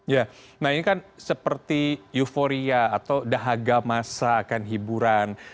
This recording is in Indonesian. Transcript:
ya nah ini kan seperti euforia atau dahaga masa akan hiburan